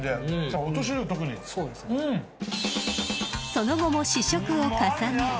［その後も試食を重ね］